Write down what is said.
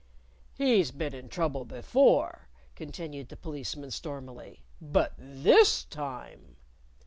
"He's been in trouble before," continued the Policeman, stormily. "But this time